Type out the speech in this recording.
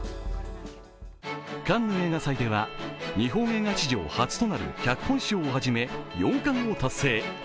カンヌ映画祭では日本映画史上初となる脚本賞をはじめ、４冠を達成。